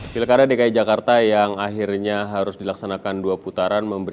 pilkada dki jakarta yang akhirnya harus dilaksanakan dua putaran